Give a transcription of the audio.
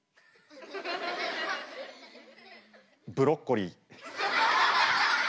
ブロッコリー。